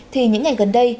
thì những ngày gần đây